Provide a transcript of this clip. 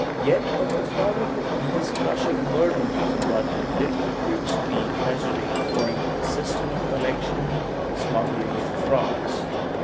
Yet of the product of these crushing burdens but little reached the treasury, owing to the system of collection, smuggling, and frauds.